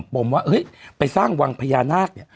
ปมว่าเฮ้ยไปสร้างวังพญานาคเนี่ย